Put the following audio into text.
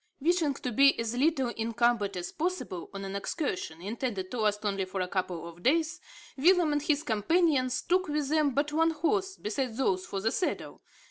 Wishing to be as little encumbered as possible on an excursion, intended to last only for a couple of days, Willem and his companions took with them but one horse, besides those for the saddle.